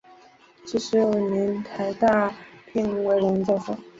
七十五年台大聘为荣誉教授。